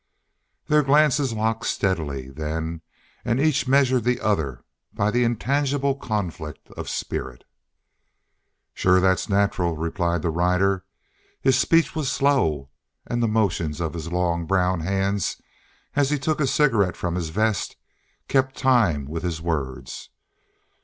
Their glances locked steadily then and each measured the other by the intangible conflict of spirit. "Shore thet's natural," replied the rider. His speech was slow, and the motions of his long, brown hands, as he took a cigarette from his vest, kept time with his words.